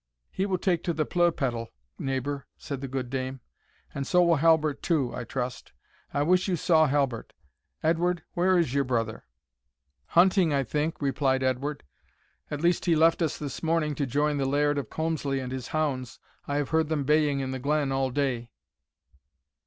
"He will take to the pleugh pettle, neighbour," said the good dame; "and so will Halbert too, I trust. I wish you saw Halbert. Edward, where is your brother?" "Hunting, I think," replied Edward; "at least he left us this morning to join the Laird of Colmslie and his hounds. I have heard them baying in the glen all day."